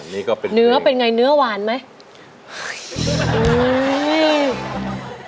เนื้อเป็นไงเนื้อหวานไหม